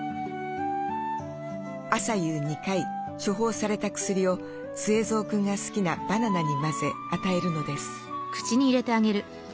朝夕２回処方された薬をスエゾウくんが好きなバナナに混ぜ与えるのです。